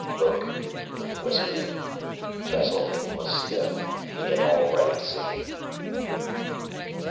"Look!" he whispered. Cheseldine was stiff. He had already seen.